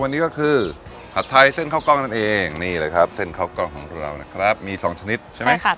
วันนี้ก็คือผัดไทยเส้นเข้ากล้องนั่นเองนี่เลยครับเส้นเข้ากล้องของเรานะครับมีสองชนิดใช่ไหมครับ